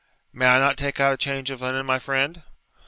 'May I not take out a change of linen, my friend?'